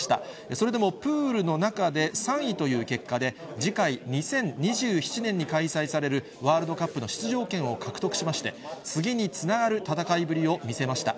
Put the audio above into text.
それでもプールの中で３位という結果で、次回・２０２７年に開催されるワールドカップの出場権を獲得しまして、次につながる戦いぶりを見せました。